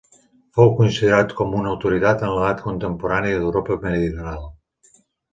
Fou considerat com una autoritat en l'Edat Contemporània d'Europa meridional.